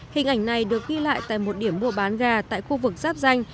hình ảnh này được ghi lại tại một điểm mua bán gà tại khu vực giáp danh